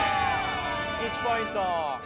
１ポイント。